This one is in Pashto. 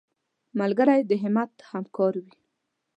ملګری د همت همکار وي